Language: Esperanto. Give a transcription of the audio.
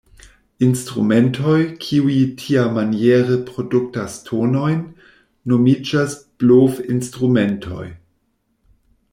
Instrumentoj, kiuj tiamaniere produktas tonojn, nomiĝas blovinstrumentoj.